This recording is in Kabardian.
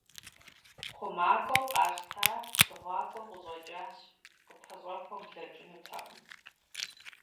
Хъумакӏуэу къащтар дыгъуакӀуэу къыщӏэкӏащ, къыпэщӀэхуэм блэкӏынутэкъым.